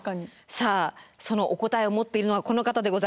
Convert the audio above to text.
さあそのお答えを持っているのはこの方でございます。